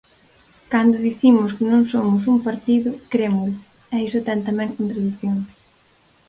Cando dicimos que non somos un partido, crémolo, e iso ten tamén contradicións.